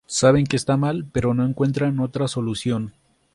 Saben que está mal pero no encuentran otra solución.